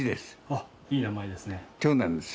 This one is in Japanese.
あっいい名前ですね。